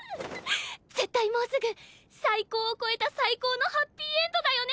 絶対もうすぐ最高を超えた最高のハッピーエンドだよね！